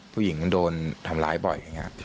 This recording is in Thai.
ผู้หญิงก็โดนทำร้ายบ่อย